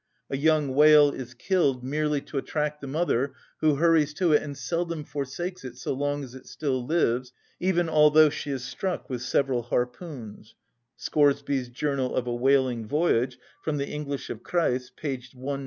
A young whale is killed merely to attract the mother, who hurries to it and seldom forsakes it so long as it still lives, even although she is struck with several harpoons (Scoresby's "Journal of a Whaling Voyage;" from the English of Kreis, p. 196).